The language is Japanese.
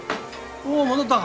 おう戻ったか。